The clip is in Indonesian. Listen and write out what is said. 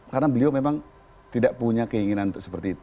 karena beliau memang tidak punya keinginan untuk seperti itu